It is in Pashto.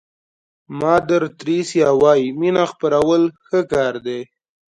مادر تریسیا وایي مینه خپرول ښه کار دی.